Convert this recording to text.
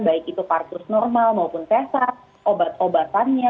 baik itu parkur normal maupun pesat obat obatannya